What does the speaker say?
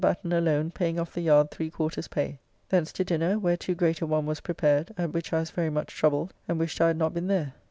Batten alone paying off the yard three quarters pay. Thence to dinner, where too great a one was prepared, at which I was very much troubled, and wished I had not been there.